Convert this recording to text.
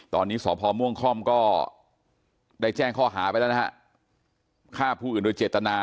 ตอนนี้สพม่วงค่อมก็ได้แจ้งข้อหาไปแล้วนะฮะฆ่าผู้อื่นโดยเจตนา